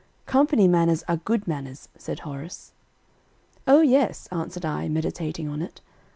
"Company manners are good manners;" said Horace. "O yes," answered I, meditating on it.